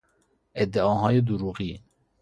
ادعاهای دروغی